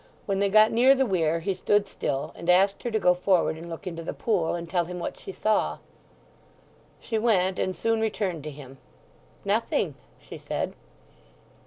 When they got near the weir he stood still, and asked her to go forward and look into the pool, and tell him what she saw. She went, and soon returned to him. "Nothing," she said.